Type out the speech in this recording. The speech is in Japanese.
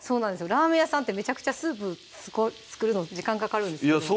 ラーメン屋さんってめちゃくちゃスープ作るの時間かかるんですけどいや